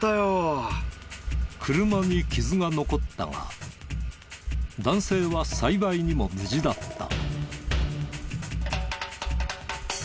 車に傷が残ったが男性は幸いにも無事だった。